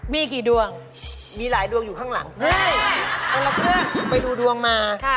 มีกี่ดวงมีหลายดวงอยู่ข้างหลังเรียบรักก็ไปดูดวงมา